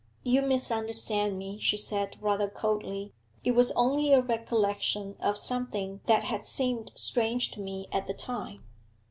'You misunderstand me,' she said, rather coldly. 'It was only a recollection of something that had seemed strange to me at the time.'